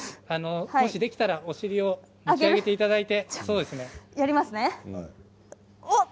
もしできたらお尻を持ち上げていただいて。